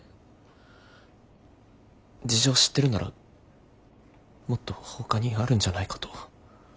事情を知ってるならもっとほかにあるんじゃないかと。